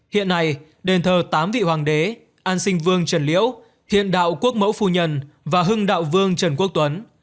hiện nay đền thờ tám vị hoàng đế an sinh vương trần liễu hiện đạo quốc mẫu phu nhân và hưng đạo vương trần quốc tuấn